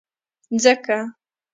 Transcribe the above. ځکه،